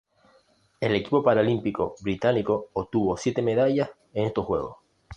El equipo paralímpico británico obtuvo siete medallas en estos Juegos.